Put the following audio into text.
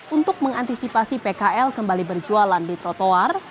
untuk mengantisipasi pkl kembali berjualan di trotoar